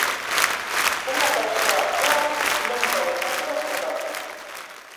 Unha persoa soa non pode facer o traballo.